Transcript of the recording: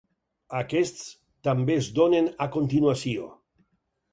Aquests també es donen a continuació.